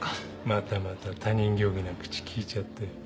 またまた他人行儀な口きいちゃって。